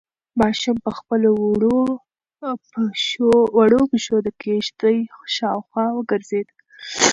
ماشوم په خپلو وړو پښو د کيږدۍ شاوخوا وګرځېد.